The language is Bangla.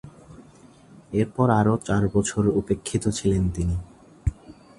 এরপর আরও চার বছর উপেক্ষিত ছিলেন তিনি।